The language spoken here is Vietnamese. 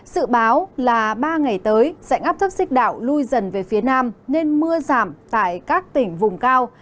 sự báo là ba ngày tới dạnh áp thấp xích đảo lui dần về phía nam nên mưa giảm tại các tỉnh vùng cao